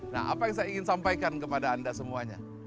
nah apa yang saya ingin sampaikan kepada anda semuanya